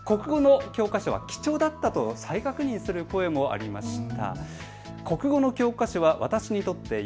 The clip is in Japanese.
そして国語の教科書は貴重だったと再確認する声もありました。